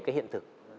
cái hiện thực